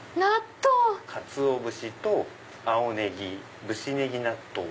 かつお節と青ネギぶしねぎ納豆。